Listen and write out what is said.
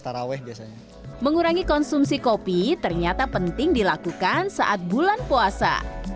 taraweh biasanya mengurangi konsumsi kopi ternyata penting dilakukan saat bulan puasa